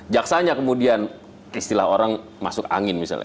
jaksanya kemudian istilah orang masuk angin misalnya